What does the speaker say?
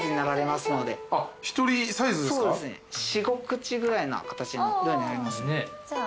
４５口ぐらいな形の量になりますね。